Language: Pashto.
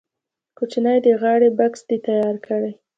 کوچنی د غاړې بکس دې تیار کړي.